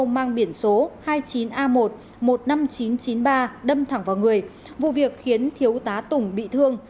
mang biển số hai mươi chín a một một mươi năm nghìn chín trăm chín mươi ba đâm thẳng vào người vụ việc khiến thiếu tá tùng bị thương